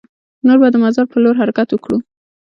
نور به د مزار په لور حرکت وکړو.